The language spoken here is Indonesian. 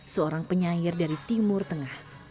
seorang penyair dari timur tengah